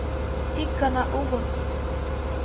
— Ик гана огыл!